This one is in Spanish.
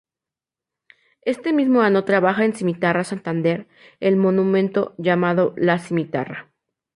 Este mismo ano trabaja en Cimitarra Santander el monumento llamado "La cimitarra".